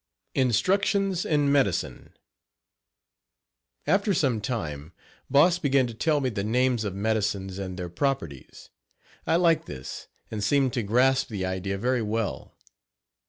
INSTRUCTIONS IN MEDICINE. After some time, Boss began to tell me the names of medicines and their properties. I liked this and seemed to grasp the idea very well.